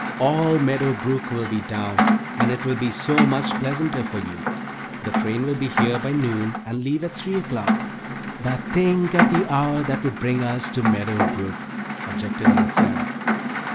All Meadow Brook will be down, and it will be so much pleasanter for you. The train will be here by noon and leave at three o'clock." "But think of the hour that would bring us to Meadow Brook!" objected Aunt Sarah.